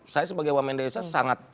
saya sebagai wamen desa sangat